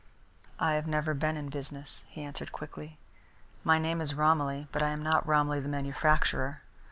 "I have never been in business," he answered quickly. "My name is Romilly, but I am not Romilly the manufacturer.